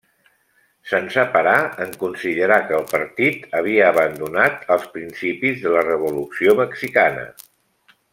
Se'n separà en considerar que el partit havia abandonat els principis de la Revolució Mexicana.